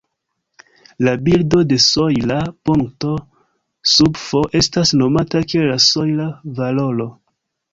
La bildo de sojla punkto sub "f" estas nomata kiel la sojla valoro.